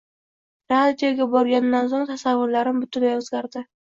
Radioga borgandan so‘ng tasavvurlarim butunlay o‘zgardi.